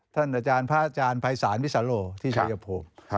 อาจารย์พระอาจารย์ภัยศาลวิสาโลที่ชายภูมิ